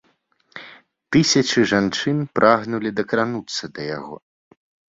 Тысячы жанчын прагнулі дакрануцца да яго.